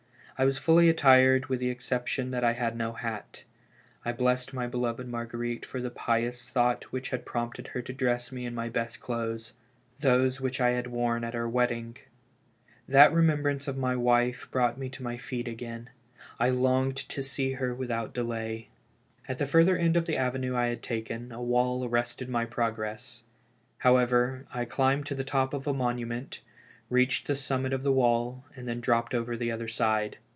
I was fully attired with the exception that had no hat. I blessed my beloved Marguerite for the pious thought which had prompted her to dress me in my best clothes — those which I had wprn at our wed: ding. That remembrance of. my wife brought me to my feet again. I longed to sec her without delay. 17 274 BACK FROM THE GRAVE, At tlie further end of tlie avenue I had taken, a wall arrested my progress. However, I climbed to the top of a monument, reached the summit of the wall, and then dropped over the other side.